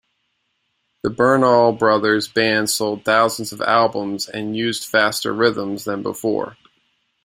The Bernal brothers' band sold thousands of albums and used faster rhythms than before.